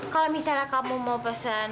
kalau misalnya kamu mau pesan